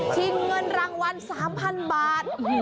เงินรางวัล๓๐๐๐บาท